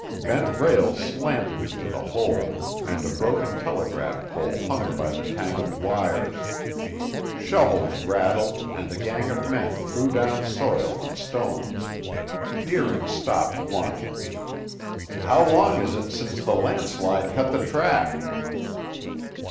Bent rails slanted into the hole and a broken telegraph pole hung by the tangled wires. Shovels rattled and a gang of men threw down soil and stones. Deering stopped one. "How long is it since the land slide cut the track?"